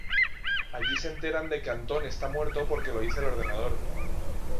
Allí se enteran de que Antón está muerto porque lo dice el ordenador.